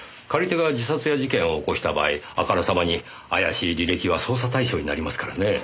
借り手が自殺や事件を起こした場合あからさまに怪しい履歴は捜査対象になりますからね。